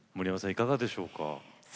いかがでしょうか。